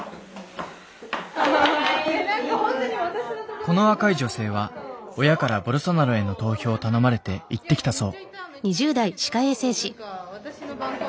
この若い女性は親からボルソナロへの投票を頼まれて行ってきたそう。